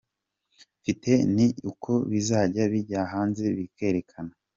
mfite ni uko bizajya bijya hanze Bikerekana.